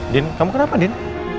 din kamu kenapa din